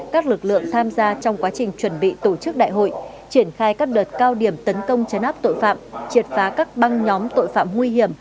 các lực lượng tham gia trong quá trình chuẩn bị tổ chức đại hội triển khai các đợt cao điểm tấn công chấn áp tội phạm triệt phá các băng nhóm tội phạm nguy hiểm